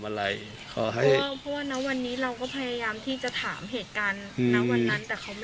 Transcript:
เพราะวันนี้เราก็พยายามที่จะถามเหตุการณวันนั้น